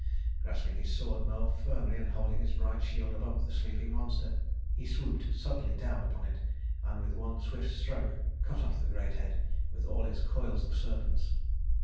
Grasping his sword more firmly and holding his bright shield above the sleeping monster, he swooped suddenly down upon it, and with one swift stroke cut off the great head with all its coils of serpents.